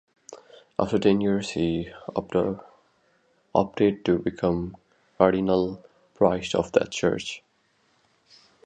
After ten years he opted to become Cardinal Priest of that church.